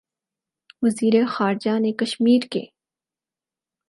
وزیر خارجہ نے کشمیر کے